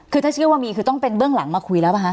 คือถ้าเชื่อว่ามีคือต้องเป็นเบื้องหลังมาคุยแล้วป่ะคะ